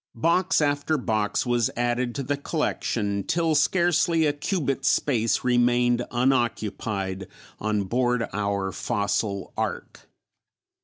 Box after box was added to the collection till scarcely a cubit's space remained unoccupied on board our fossil ark.